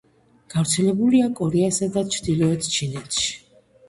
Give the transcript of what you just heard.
გავრცელებულია კორეასა და ჩრდილოეთ ჩინეთში.